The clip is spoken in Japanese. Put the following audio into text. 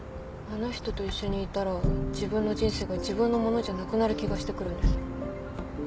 あの人と一緒にいたら自分の人生が自分のものじゃなくなる気がしてくるんです。